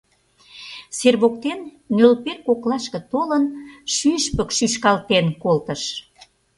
Сер воктен, нӧлпер коклашке толын, шӱшпык шӱшкалтен колтыш.